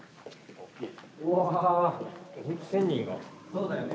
そうだよね